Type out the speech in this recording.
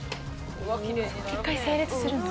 一回整列するんだ。